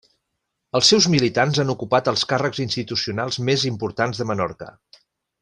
Els seus militants han ocupat els càrrecs institucionals més importants de Menorca.